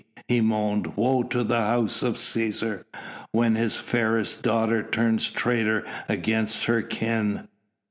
he moaned, "woe to the House of Cæsar when its fairest daughter turns traitor against her kin!"